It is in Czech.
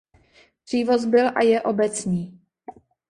Přívoz byl a je obecní.